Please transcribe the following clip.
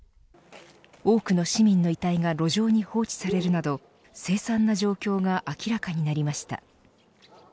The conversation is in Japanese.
多くの市民の遺体が路上に放置されるなど凄惨な状況が明らかになりました。